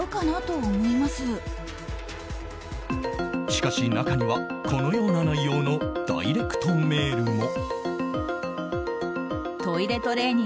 しかし中にはこのような内容のダイレクトメールも。